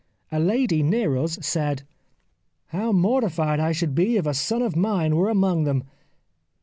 A lady near us said, ' How mortified I should be if a son of mine were among them